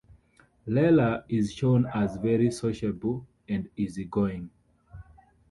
Lela is shown as very sociable and easy-going.